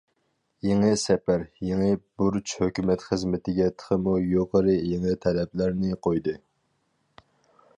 يېڭى سەپەر، يېڭى بۇرچ ھۆكۈمەت خىزمىتىگە تېخىمۇ يۇقىرى يېڭى تەلەپلەرنى قويدى.